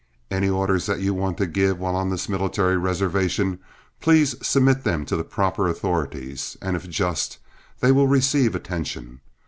Any orders that you want given, while on this military reservation, please submit them to the proper authorities, and if just, they will receive attention.